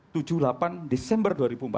tujuh puluh delapan desember dua ribu empat belas